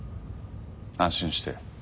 安心して。